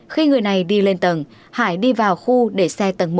khi người này đi lên tầng hải đi vào khu để xe tầng một